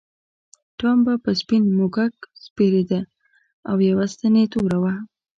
ټام به په سپین موږک سپرېده او یوه ستن یې توره وه.